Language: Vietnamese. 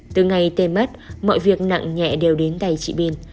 từ ngày tê mất mọi việc nặng nhẹ đều đến tay chị bin